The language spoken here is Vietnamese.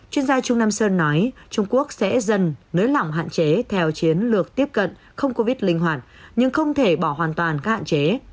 chuyên gia trung nam sơn nói trung quốc sẽ dần nới lỏng hạn chế theo chiến lược tiếp cận không covid linh hoạt nhưng không thể bỏ hoàn toàn các hạn chế